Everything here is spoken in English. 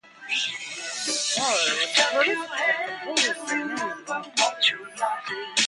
Starer was prolific and composed in many genres.